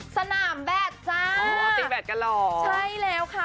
สนามแบตจ้าอ๋อตีแดดกันเหรอใช่แล้วค่ะ